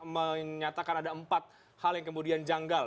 menyatakan ada empat hal yang kemudian janggal